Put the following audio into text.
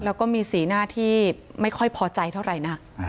แล้วก็มีสีหน้าที่ไม่ค่อยพอใจเท่าไหร่นัก